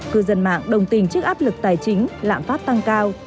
cư dân mạng đồng tình trước áp lực tài chính lãng pháp tăng cao